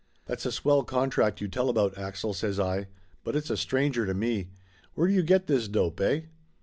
"That's a swell contract you tell about, Axel," says I. "But it's a stranger to me. Where do you get this dope, eh?"